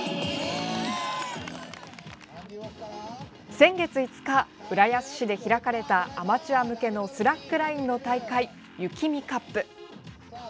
先月５日浦安市で開かれたアマチュア向けのスラックラインの大会ＹＵＫＩＭＩＣＵＰ。